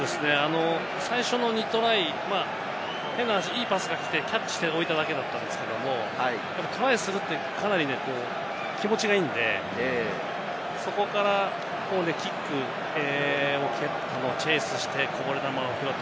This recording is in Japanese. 最初の２トライ、変な話、いいパスが来て、キャッチで終えたわけですけど、トライするってかなり気持ちがいいんで、そこからキックをチェイスして、こぼれ球をトライ。